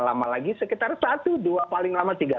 lama lagi sekitar satu dua paling lama